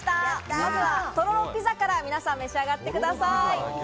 まずはとろろピザから皆さん召し上がってください。